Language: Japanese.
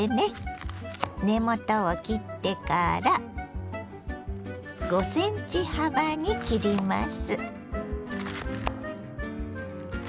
根元を切ってから５ｃｍ幅に切ります。